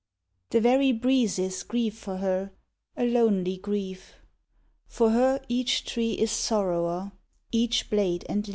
The very breezes grieve for her, A lonely grief; For her each tree is sorrower, Each blade and leaf.